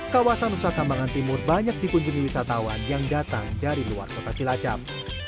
kawasan nusa kambangan timur banyak dikunjungi wisatawan yang datang dari luar kota cilacap